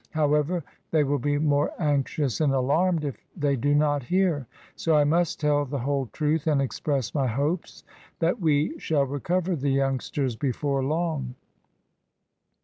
However, they will be more anxious and alarmed if they do not hear, so I must tell the whole truth, and express my hopes that we shall recover the youngsters before long."